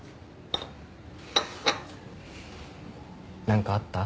何かあった？